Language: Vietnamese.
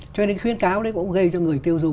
cho nên khuyên cáo đấy cũng gây cho người tiêu dùng